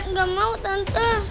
nggak mau tante